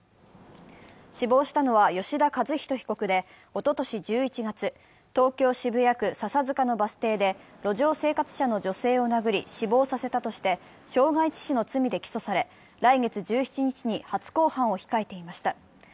死亡したのは、吉田和人被告で、おととし１１月、東京・渋谷区笹塚のバス停で路上生活者の女性を殴り、死亡させたとして傷害致死の罪で起訴され、来月１７日に初公判を控えていました。